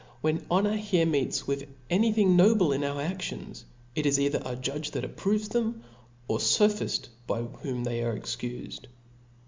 When honour here meets with any thing noble ia our aflions, it is either a judge that approves them, or a fophifter by whom they are excufed.